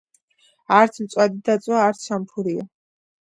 არც მწვადი დაწვა, არც შამფურიო